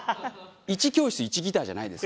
１教室１ギターじゃないです。